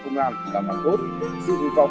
công an làm hàng tốt giữ nguyên to